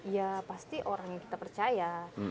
ya pasti orang yang kita percaya